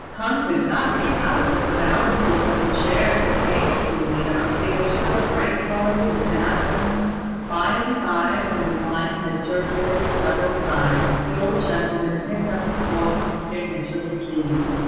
K'ung could not make out what the valances of the chairs and tables were made of: they were so very bright coloured and dazzling. By and by, when the wine had circulated several times, the old gentleman picked up his walking stick and took his leave.